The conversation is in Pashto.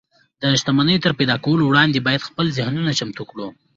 د شتمنۍ تر پيدا کولو وړاندې بايد خپل ذهنونه چمتو کړو.